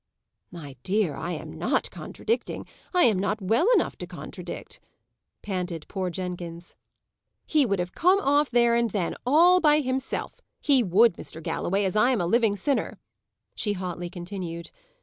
"My dear, I am not contradicting; I am not well enough to contradict," panted poor Jenkins. "He would have come off there and then, all by himself: he would, Mr. Galloway, as I am a living sinner!" she hotly continued.